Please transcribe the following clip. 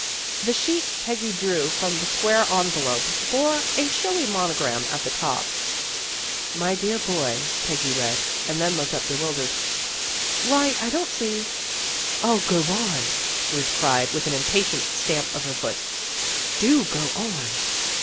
The sheet Peggy drew from the square envelope bore a showy monogram at the top. " My dear boy," Peggy read, and then looked up bewildered. " Why, I don't see " RUTH IS PERPLEXED 153 "0, go on," Ruth cried, with an impatient stamp of her foot. " Do go on."